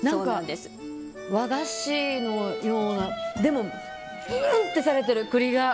和菓子のようなでもムンッてされてる、栗が。